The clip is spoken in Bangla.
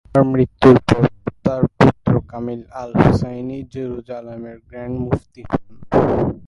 তার মৃত্যুর পর তার পুত্র কামিল আল-হুসাইনি জেরুসালেমের গ্র্যান্ড মুফতি হন।